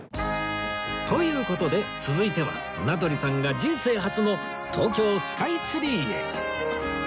という事で続いては名取さんが人生初の東京スカイツリーへ